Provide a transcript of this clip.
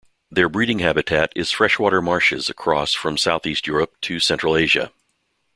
Their breeding habitat is freshwater marshes across from southeast Europe to central Asia.